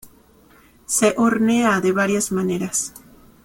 Se hornea de varias maneras.